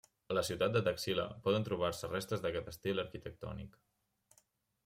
A la ciutat de Taxila poden trobar-se restes d'aquest estil arquitectònic.